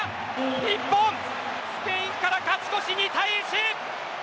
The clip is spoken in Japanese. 日本、スペインから勝ち越し、２対１。